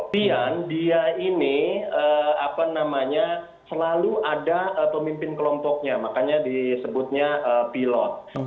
tapian dia ini selalu ada pemimpin kelompoknya makanya disebutnya pilot